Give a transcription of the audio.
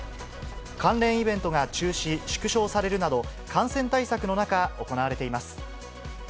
関連イベントが中止・縮小されるなど、感染対策の中、行われています。